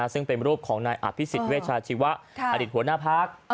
ซึ่งเป็นรูปของนายอภิสิตเวชาชีวะอดิษฐ์หัวหน้าพรรค